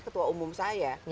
ketua umum saya